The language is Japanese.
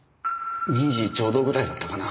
２時ちょうどぐらいだったかな。